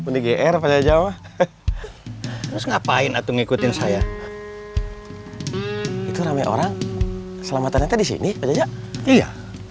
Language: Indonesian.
ngapain ngikutin saya itu ramai orang selamatannya disini iya